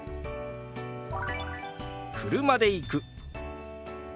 「車で行く」。